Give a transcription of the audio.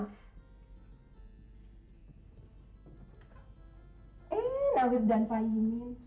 nahir dan pak imin